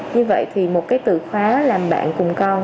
như vậy thì một cái từ khóa làm bạn cùng con